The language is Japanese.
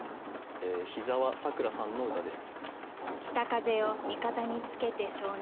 檜澤さくらさんの歌です。